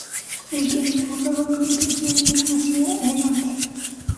El guion estuvo a cargo de Luis Lucia y Jaime García-Herranz.